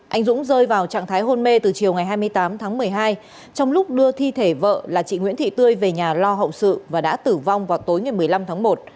anh dũng rơi vào trạng thái hôn mê từ chiều ngày hai mươi tám tháng một mươi hai trong lúc đưa thi thể vợ là chị nguyễn thị tươi về nhà lo hậu sự và đã tử vong vào tối ngày một mươi năm tháng một